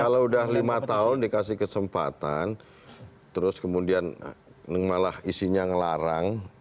kalau udah lima tahun dikasih kesempatan terus kemudian malah isinya ngelarang